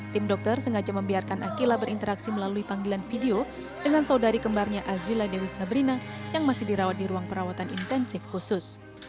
tim dokter sengaja membiarkan akila berinteraksi melalui panggilan video dengan saudari kembarnya azila dewi sabrina yang masih dirawat di ruang perawatan intensif khusus